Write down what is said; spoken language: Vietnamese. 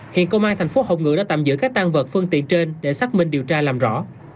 hiện công an thành phố hồng ngự đã tạm giữ các tan vật phương tiện trên để xác minh điều tra làm rõ